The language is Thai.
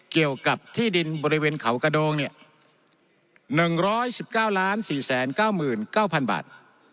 เกี่ยวกับที่ดินบริเวณเขากระโดงเนี่ย๑๑๙๔๙๙๐๐บาท